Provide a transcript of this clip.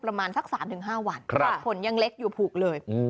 ประมาณสักสามถึงห้าวันครับผลยังเล็กอยู่ผูกเลยอืม